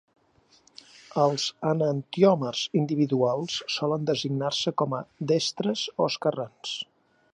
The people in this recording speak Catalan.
Els enantiòmers individuals solen designar-se com a destres o esquerrans.